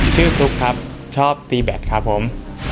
ชื่อซุฟครับชอบตีแบดครับผม